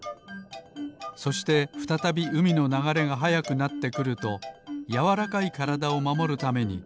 そしてふたたびうみのながれがはやくなってくるとやわらかいからだをまもるためにあわててみをかくすばしょをさがしはじめるのです。